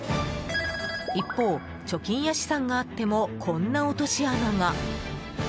一方、貯金や資産があってもこんな落とし穴が。